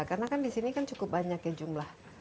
karena kan disini kan cukup banyak jumlah